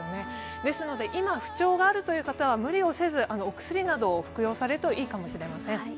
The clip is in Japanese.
ですので今、不調があるという方は無理をせず、お薬などを服用されるといいかもしれません。